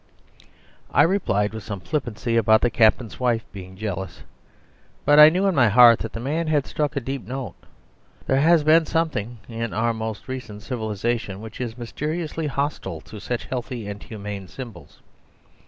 I replied with some flippancy about the captain's wife being jealous; but I knew in my heart that the man had struck a deep note. There has been something in our most recent civilisation which is mysteriously hostile to such healthy and humane symbols.